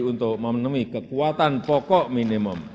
untuk memenuhi kekuatan pokok minimum